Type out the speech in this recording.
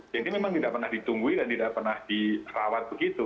jadi memang tidak pernah ditunggui dan tidak pernah dirawat begitu